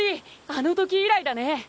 あの時以来だね！